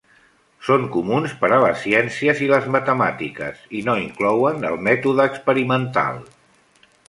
Són comuns per a les ciències i les matemàtiques i no inclouen el mètode experimental.